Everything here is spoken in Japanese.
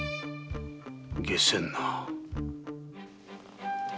解せんな。